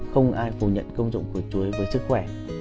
không ai phủ nhận công dụng của chuối với sức khỏe